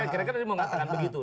kira kira dia mau ngatakan begitu